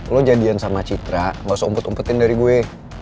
lo jadian sama citra gak usah umpet umpetin dari gue